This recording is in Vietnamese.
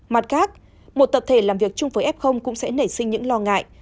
mặt khác một tập thể làm việc chung phối f cũng sẽ nảy sinh những lo ngại